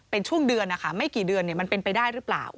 เป็นช่วงเดือนนะคะไม่กี่เดือนมันเป็นไปได้หรือเปล่า